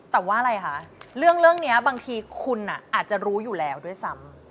แต่ว่าอะไรคะเรื่องนี้บางทีคุณอาจจะรู้อยู่แล้วด้วยซ้ำ